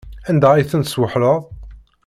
Anda ay ten-tesweḥleḍ?